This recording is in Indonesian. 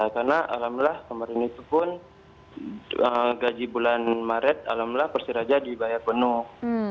karena alhamdulillah kemarin itu pun gaji bulan maret alhamdulillah persiraja dibayar penuh